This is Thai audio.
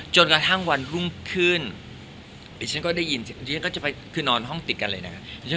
จนกระทั่งวันรุ่งขึ้นดิฉันก็ได้ยินดิฉันก็จะไปคือนอนห้องติดกันเลยนะครับ